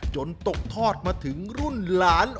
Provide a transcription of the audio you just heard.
ตกทอดมาถึงรุ่นหลาน